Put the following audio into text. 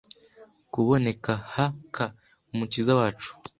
kuboneka h k Umukiza wacu